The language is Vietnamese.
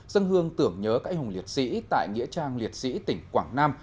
dân hương tưởng nhớ các anh hùng liệt sĩ tại nghĩa trang liệt sĩ tỉnh quảng nam